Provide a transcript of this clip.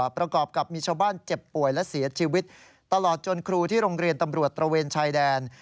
ประกอบกับมีชาวบ้านเจ็บป่วยและเสียชีวิตตลอดจนครูที่โรงเรียนตำรวจตระเวนชายแดน